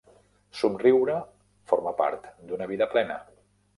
Somriure forma part d'una vida plena.